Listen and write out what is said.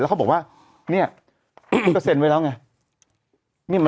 แล้วเขาบอกว่าเนี่ยก็เซ็นไว้แล้วไง